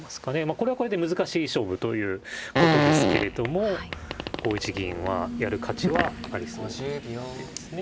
これはこれで難しい勝負ということですけれども５一銀はやる価値はありそうですね。